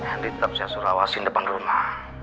andi tetap siasur awasin depan rumah